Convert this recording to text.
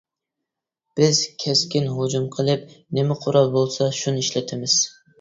بىز كەسكىن ھۇجۇم قىلىپ، نېمە قورال بولسا، شۇنى ئىشلىتىمىز.